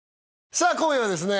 さあ今夜はですね